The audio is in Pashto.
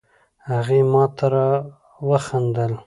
هغې ماته را وخندل